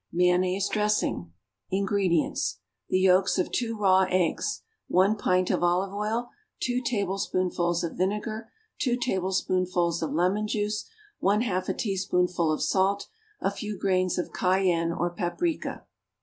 =Mayonnaise Dressing.= INGREDIENTS. The yolks of 2 raw eggs. 1 pint of olive oil. 2 tablespoonfuls of vinegar. 2 tablespoonfuls of lemon juice. 1/2 a teaspoonful of salt. A few grains of cayenne or paprica.